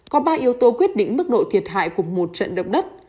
có ba yếu tố quyết định mức độ thiệt hại của một trận động đất